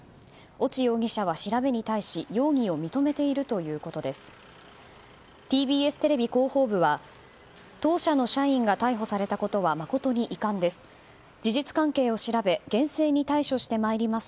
越智容疑者は調べに対し容疑を認めているということです。